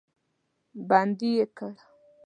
بندي یې کړ.